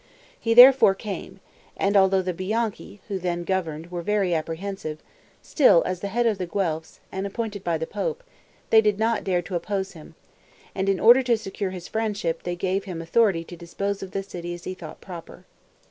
He therefore came, and although the Bianchi, who then governed, were very apprehensive, still, as the head of the Guelphs, and appointed by the pope, they did not dare to oppose him, and in order to secure his friendship, they gave him authority to dispose of the city as he thought proper.